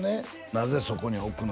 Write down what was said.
「なぜそこに置くの？」